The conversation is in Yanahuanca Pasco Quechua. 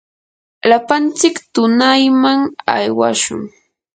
lapantsik tunayman aywashun.